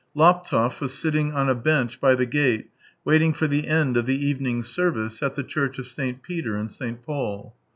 Laptev was sitting on a bench by the gate waiting for the end of the evening service at the Church of St. Peter and St. Paul.